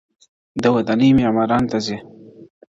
د ودانیو معمارانو ته ځي.!